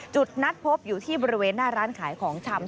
จุดนัดพบอยู่ที่บริเวณหน้าร้านขายของชำ